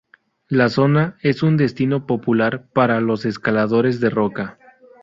La zona es un destino popular para los escaladores de roca.